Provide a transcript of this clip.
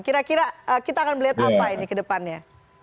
kira kira kita akan melihat apa ini ke depannya